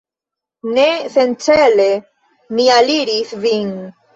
Ne sencele mi aliris vin.